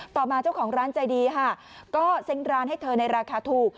ต่อมาเจ้าของร้านใจดีค่ะก็เซ้งร้านให้เธอในราคาถูก